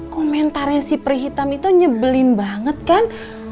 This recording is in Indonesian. komentarnya si prihitam itu nyebelin banget kan